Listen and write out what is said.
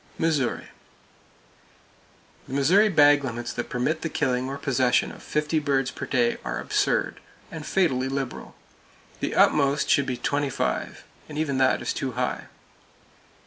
Missouri: The Missouri bag limits that permit the killing or possession of fifty birds per day are absurd, and fatally liberal. The utmost should be twenty five; and even that is too high.